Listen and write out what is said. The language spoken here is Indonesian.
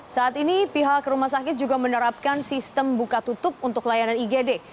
saat ini pihak rumah sakit juga menerapkan sistem buka tutup untuk layanan igd